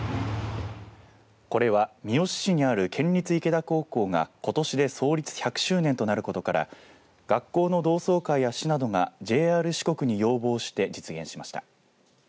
これは三好市にある県立池田高校が、ことしで創立１００周年となることから学校の同窓会や市などがＪＲ四国に要望して実現しました。